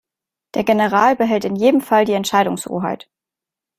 Der General behält in jedem Fall die Entscheidungshoheit.